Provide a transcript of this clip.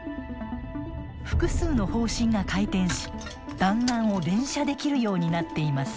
複数の砲身が回転し弾丸を連射できるようになっています。